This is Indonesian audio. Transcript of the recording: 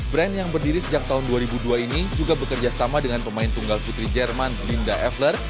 brand yang berdiri sejak tahun dua ribu dua ini juga bekerja sama dengan pemain tunggal putri jerman linda eveler